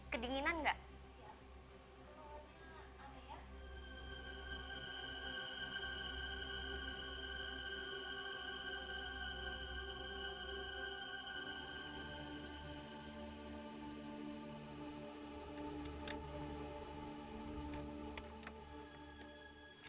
kenapa saya terserah